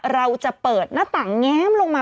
เราจะเปิดหน้าต่างแง้มลงมา